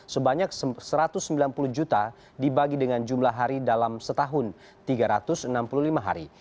sebanyak satu ratus sembilan puluh juta dibagi dengan jumlah hari dalam setahun tiga ratus enam puluh lima hari